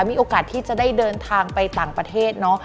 มีโอกาสที่จะได้เดินทางไปต่างประเทศเนาะ